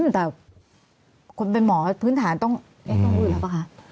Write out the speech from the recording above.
แต่เป็นหมอพื้นฐานต้องอย่างนี้ต้องพูดแล้วป่ะคะ